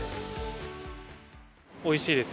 おいしいです。